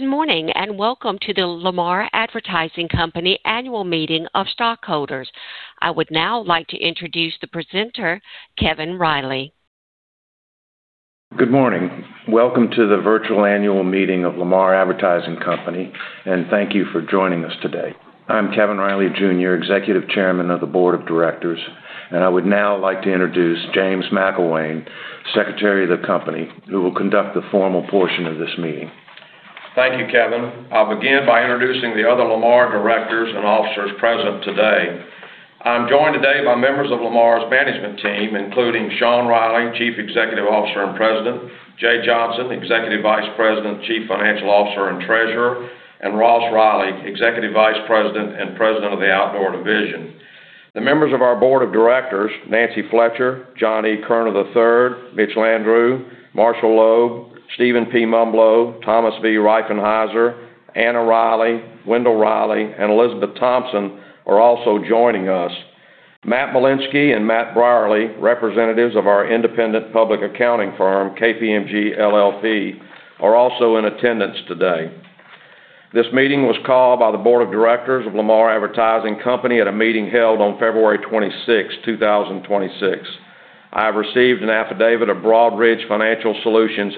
Good morning, and welcome to the Lamar Advertising Company Annual Meeting of Stockholders. I would now like to introduce the presenter, Kevin Reilly. Good morning. Welcome to the virtual annual meeting of Lamar Advertising Company, and thank you for joining us today. I'm Kevin Reilly Jr., Executive Chairman of the Board of Directors, and I would now like to introduce James McIlwain, Secretary of the company, who will conduct the formal portion of this meeting. Thank you, Kevin. I'll begin by introducing the other Lamar directors and officers present today. I'm joined today by members of Lamar's management team, including Sean Reilly, Chief Executive Officer and President, Jay Johnson, Executive Vice President, Chief Financial Officer, and Treasurer, and Ross Reilly, Executive Vice President and President of the Outdoor Division. The members of our Board of Directors, Nancy Fletcher, John E. Koerner, III, Mitch Landrieu, Marshall Loeb, Stephen P. Mumblow, Thomas V. Reifenheiser, Anna Reilly, Wendell Reilly, and Elizabeth Thompson, are also joining us. Matt Malinsky and Matt Brierley, representatives of our independent public accounting firm, KPMG LLP, are also in attendance today. This meeting was called by the Board of Directors of Lamar Advertising Company at a meeting held on February 26th, 2026. I have received an affidavit of Broadridge Financial Solutions,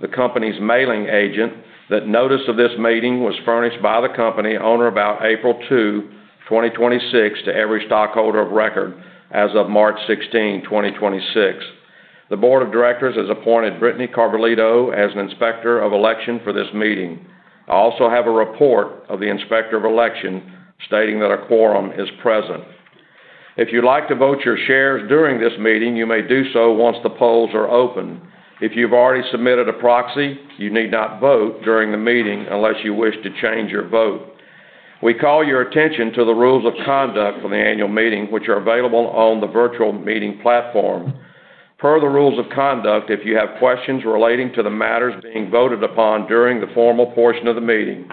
Inc, the company's mailing agent, that notice of this meeting was furnished by the company on or about April 2, 2026 to every stockholder of record as of March 16, 2026. The Board of Directors has appointed [Brittany Carbullido] as an Inspector of Election for this meeting. I also have a report of the Inspector of Election stating that a quorum is present. If you'd like to vote your shares during this meeting, you may do so once the polls are open. If you've already submitted a proxy, you need not vote during the meeting unless you wish to change your vote. We call your attention to the rules of conduct for the annual meeting, which are available on the virtual meeting platform. Per the rules of conduct, if you have questions relating to the matters being voted upon during the formal portion of the meeting,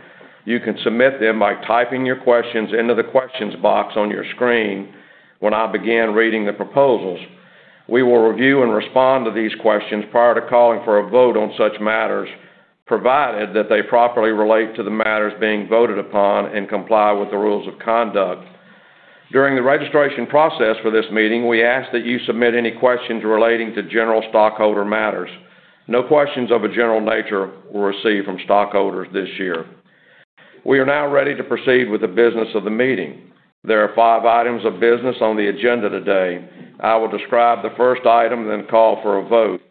you can submit them by typing your questions into the questions box on your screen when I begin reading the proposals. We will review and respond to these questions prior to calling for a vote on such matters, provided that they properly relate to the matters being voted upon and comply with the rules of conduct. During the registration process for this meeting, we ask that you submit any questions relating to general stockholder matters. No questions of a general nature were received from stockholders this year. We are now ready to proceed with the business of the meeting. There are five items of business on the agenda today. I will describe the first item, then call for a vote.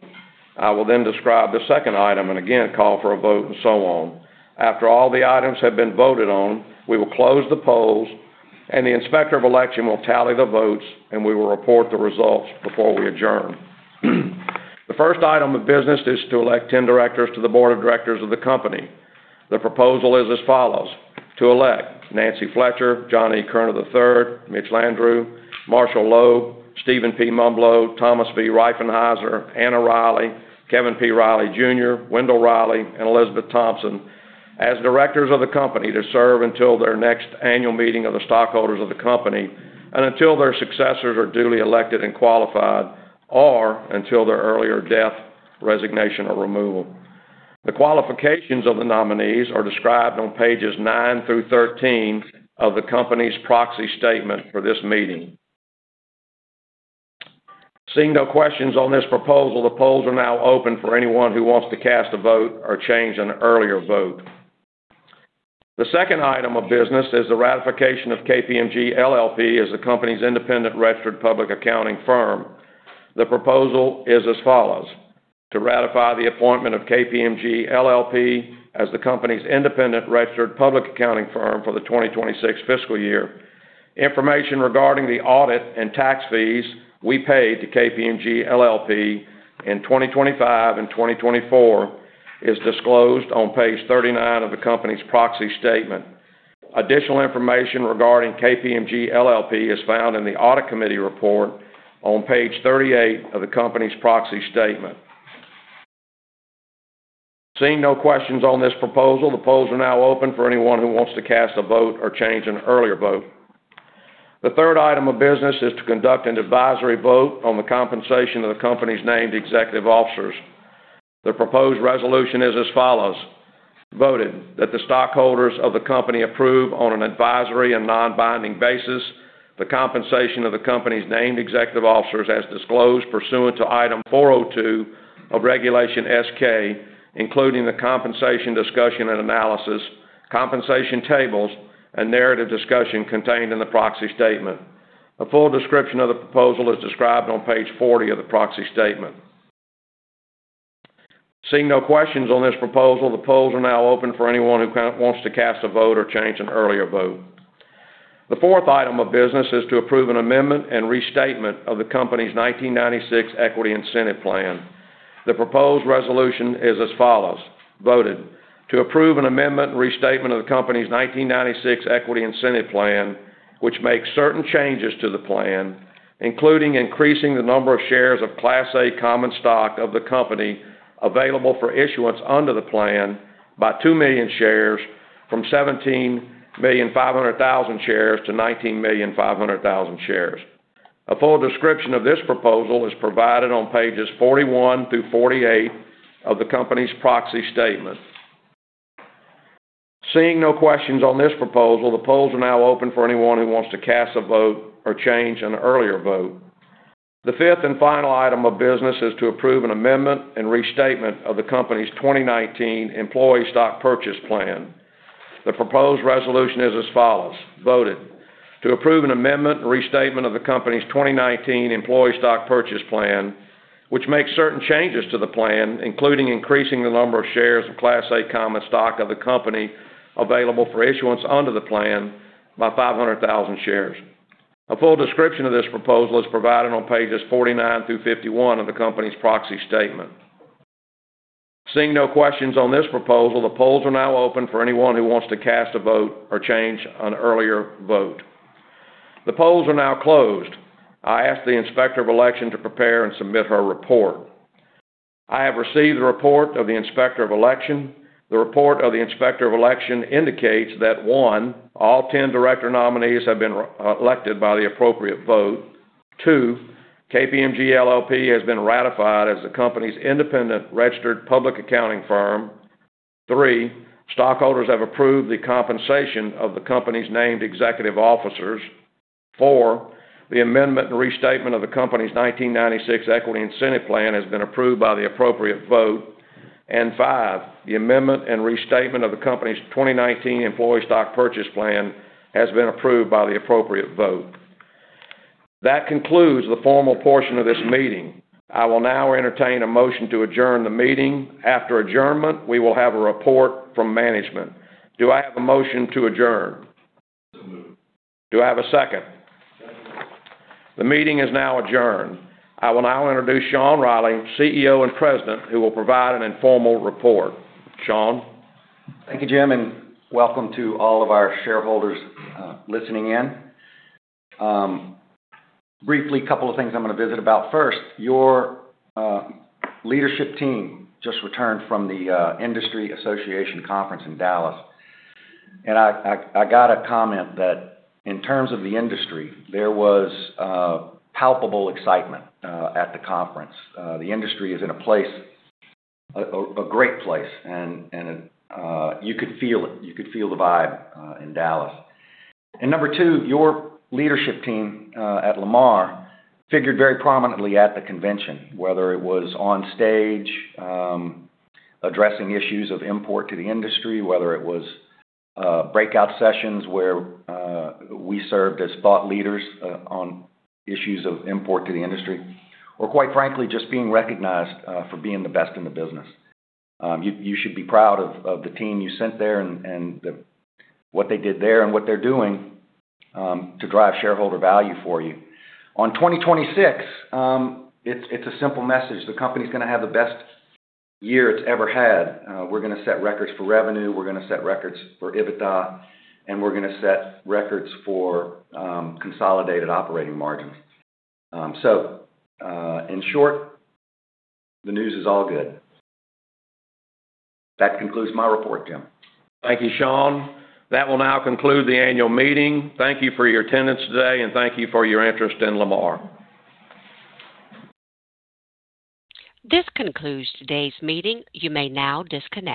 I will describe the second item and again call for a vote, and so on. After all the items have been voted on, we will close the polls, and the Inspector of Election will tally the votes, and we will report the results before we adjourn. The first item of business is to elect 10 directors to the Board of Directors of the company. The proposal is as follows: To elect Nancy Fletcher, John E. Koerner, III, Mitch Landrieu, Marshall Loeb, Stephen P. Mumblow, Thomas V. Reifenheiser, Anna Reilly, Kevin P. Reilly Jr., Wendell Reilly, and Elizabeth Thompson as directors of the company to serve until their next annual meeting of the stockholders of the company and until their successors are duly elected and qualified or until their earlier death, resignation, or removal. The qualifications of the nominees are described on pages nine through 13 of the company's proxy statement for this meeting. Seeing no questions on this proposal, the polls are now open for anyone who wants to cast a vote or change an earlier vote. The second item of business is the ratification of KPMG LLP as the company's independent registered public accounting firm. The proposal is as follows: To ratify the appointment of KPMG LLP as the company's independent registered public accounting firm for the 2026 fiscal year. Information regarding the audit and tax fees we paid to KPMG LLP in 2025 and 2024 is disclosed on page 39 of the company's proxy statement. Additional information regarding KPMG LLP is found in the Audit Committee Report on page 38 of the company's proxy statement. Seeing no questions on this proposal, the polls are now open for anyone who wants to cast a vote or change an earlier vote. The third item of business is to conduct an advisory vote on the compensation of the company's named executive officers. The proposed resolution is as follows: Voted that the stockholders of the company approve on an advisory and non-binding basis the compensation of the company's named executive officers as disclosed pursuant to Item 402 of Regulation S-K, including the compensation discussion and analysis, compensation tables, and narrative discussion contained in the proxy statement. A full description of the proposal is described on page 40 of the proxy statement. Seeing no questions on this proposal, the polls are now open for anyone who wants to cast a vote or change an earlier vote. The fourth item of business is to approve an amendment and restatement of the company's 1996 Equity Incentive Plan. The proposed resolution is as follows: Voted to approve an amendment and restatement of the company's 1996 Equity Incentive Plan, which makes certain changes to the plan, including increasing the number of shares of Class A common stock of the company available for issuance under the plan by 2 million shares from 17,500,000 shares to 19,500,000 shares. A full description of this proposal is provided on pages 41 through 48 of the company's proxy statement. Seeing no questions on this proposal, the polls are now open for anyone who wants to cast a vote or change an earlier vote. The fifth and final item of business is to approve an amendment and restatement of the company's 2019 employee stock purchase plan. The proposed resolution is as follows: Voted to approve an amendment and restatement of the company's 2019 Employee Stock Purchase Plan, which makes certain changes to the plan, including increasing the number of shares of Class A common stock of the company available for issuance under the plan by 500,000 shares. A full description of this proposal is provided on pages 49 through 51 of the company's proxy statement. Seeing no questions on this proposal, the polls are now open for anyone who wants to cast a vote or change an earlier vote. The polls are now closed. I ask the Inspector of Election to prepare and submit her report. I have received the report of the Inspector of Election. The report of the Inspector of Election indicates that, one, all 10 director nominees have been elected by the appropriate vote. Two, KPMG LLP has been ratified as the company's independent registered public accounting firm. Three, stockholders have approved the compensation of the company's named executive officers. Four, the amendment and restatement of the company's 1996 Equity Incentive Plan has been approved by the appropriate vote. Five, the amendment and restatement of the company's 2019 Employee Stock Purchase Plan has been approved by the appropriate vote. That concludes the formal portion of this meeting. I will now entertain a motion to adjourn the meeting. After adjournment, we will have a report from management. Do I have a motion to adjourn? Moved. Do I have a second? Second. The meeting is now adjourned. I will now introduce Sean Reilly, CEO and President, who will provide an informal report. Sean? Thank you, Jim, and welcome to all of our shareholders, listening in. Briefly, a couple of things I'm gonna visit about. First, your leadership team just returned from the industry association conference in Dallas. I, I got a comment that in terms of the industry, there was palpable excitement at the conference. The industry is in a place, a great place, and, you could feel it. You could feel the vibe in Dallas. Number two, your leadership team at Lamar figured very prominently at the convention, whether it was on stage, addressing issues of import to the industry, whether it was breakout sessions where we served as thought leaders on issues of import to the industry, or quite frankly, just being recognized for being the best in the business. You should be proud of the team you sent there and what they did there and what they're doing to drive shareholder value for you. On 2026, it's a simple message. The company's gonna have the best year it's ever had. We're gonna set records for revenue, we're gonna set records for EBITDA, and we're gonna set records for consolidated operating margin. In short, the news is all good. That concludes my report, Jim. Thank you, Sean. That will now conclude the annual meeting. Thank you for your attendance today, and thank you for your interest in Lamar. This concludes today's meeting. You may now disconnect.